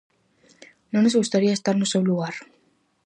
Non nos gustaría estar no seu lugar.